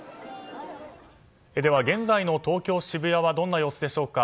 では、現在の東京・渋谷はどんな様子でしょうか。